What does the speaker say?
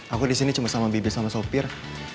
aku di sini cuma sama bibi sama sopir